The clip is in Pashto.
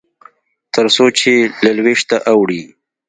تر څو چې له لوېشته اوړي.